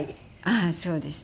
あっそうですね。